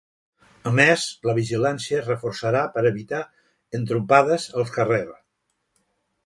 A més, la vigilància es reforçarà per evitar entrompades als carrers.